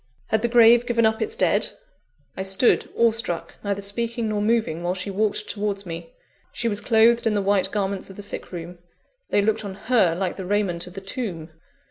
Had the grave given up its dead? I stood awe struck, neither speaking nor moving while she walked towards me. She was clothed in the white garments of the sick room they looked on her like the raiment of the tomb.